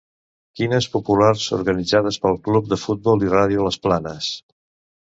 Quines populars organitzades pel Club de Futbol i Ràdio Les Planes.